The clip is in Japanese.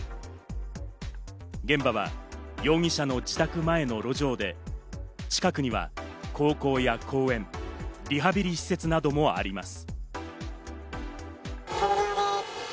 現場は容疑者の自宅前の路上で、近くには高校や公園、リハビリ施設などもあります。